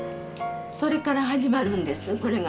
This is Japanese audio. それから始まるんです